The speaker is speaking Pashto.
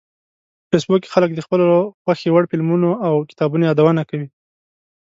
په فېسبوک کې خلک د خپلو خوښې وړ فلمونو او کتابونو یادونه کوي